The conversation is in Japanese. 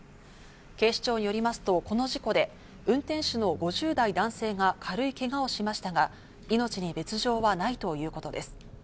警視庁によりますと、この事故で運転手の５０代男性が軽いけがをしましたが、命に別条はないということです。